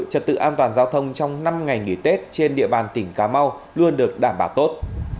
trật tự an toàn giao thông trong năm ngày nghỉ tết trên địa bàn tỉnh cà mau luôn được đảm bảo tốt